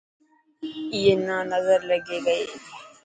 اي نا نظر لگي گئي.